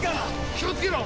気をつけろ！